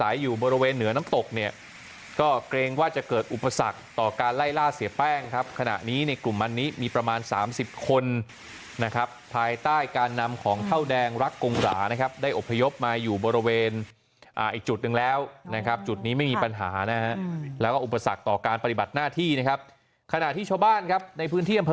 อยู่บริเวณเหนือน้ำตกเนี่ยก็เกรงว่าจะเกิดอุปสรรคต่อการไล่ล่าเสียแป้งครับขณะนี้ในกลุ่มมันนี้มีประมาณสามสิบคนนะครับภายใต้การนำของเท่าแดงรักกงหรานะครับได้อบพยพมาอยู่บริเวณอีกจุดหนึ่งแล้วนะครับจุดนี้ไม่มีปัญหานะฮะแล้วก็อุปสรรคต่อการปฏิบัติหน้าที่นะครับขณะที่ชาวบ้านครับในพื้นที่อำเภอ